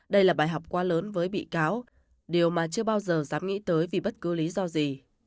đây là bài học quá lớn với bị cáo điều mà chưa bao giờ dám nghĩ tới vì bất cứ lý do gì